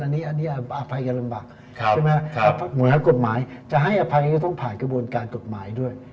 อันนี้อภัยจะลำบากใช่ไหมเหมือนกฎหมายจะให้อภัยก็ต้องผ่านกระบวนการกฎหมายด้วย